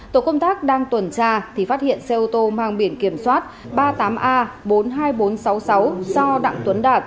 tổ công tác đang tuần tra thì phát hiện xe ô tô mang biển kiểm soát ba mươi tám a bốn mươi hai nghìn bốn trăm sáu mươi sáu do đặng tuấn đạt